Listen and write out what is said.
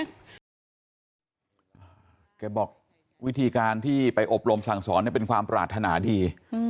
แกบอกวิธีการที่ไปอบรมสั่งสอนเนี่ยเป็นความปรารถนาดี